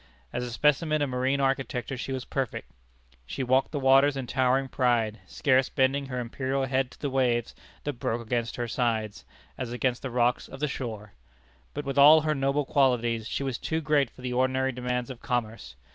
As a specimen of marine architecture she was perfect. She walked the waters in towering pride, scarce bending her imperial head to the waves that broke against her sides, as against the rocks of the shore. But with all her noble qualities, she was too great for the ordinary demands of commerce.